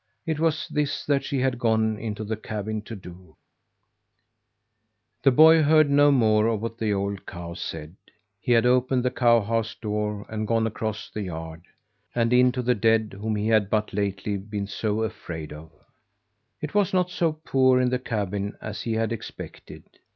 It was this that she had gone into the cabin to do The boy heard no more of what the old cow said. He had opened the cowhouse door and gone across the yard, and in to the dead whom he had but lately been so afraid of. It was not so poor in the cabin as he had expected.